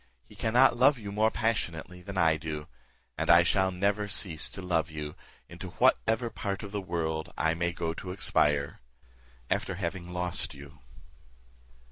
He cannot love you more passionately than I do; and I shall never cease to love you into whatever part of the world I may go to expire, after having lost you."